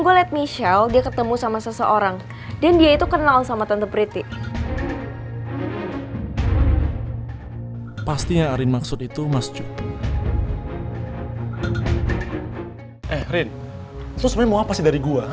gue let michelle dia ketemu sama seseorang dan dia itu kenal sama tante priti pastinya arin maksud itu masjid